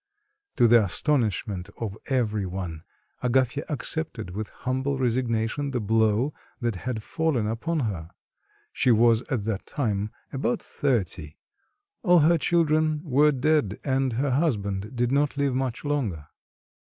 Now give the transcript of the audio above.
To the astonishment of every one, Agafya accepted with humble resignation the blow that had fallen upon her. She was at that time about thirty, all her children were dead and her husband did not live much longer.